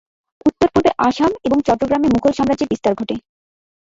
উত্তর-পূর্বে আসাম এবং চট্টগ্রামে মুগল সাম্রাজ্যের বিস্তার ঘটে।